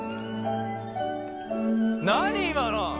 何今の！？